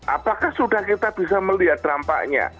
apakah sudah kita bisa melihat dampaknya